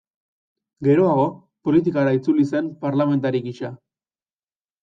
Geroago, Politikara itzuli zen parlamentari gisa.